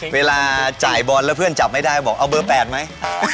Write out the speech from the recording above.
เวลาจ่ายบอลแล้วเพื่อนจับไม่ได้บอกเอาเบอร์๘ไหม